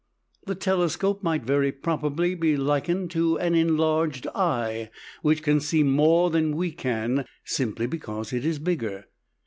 The telescope might very properly be likened to an enlarged eye, which can see more than we can, simply because it is bigger.